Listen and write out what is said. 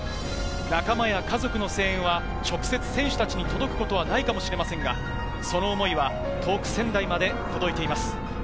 仲間や家族の声援が直接、選手たちに届くことはないかもしれませんが、その思いは遠く仙台まで届いています。